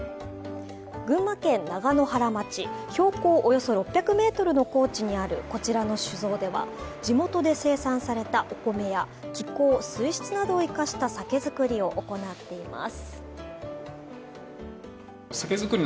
群馬県長野原町、標高およそ６００ｍの高地にあるこちらの酒造では、地元で生産されたお米や気候、水質などを生かした酒造りを行っています。